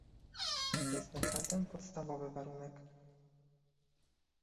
To jest naprawdę podstawowy warunek